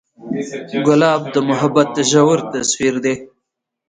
ګلاب د محبت ژور تصویر دی.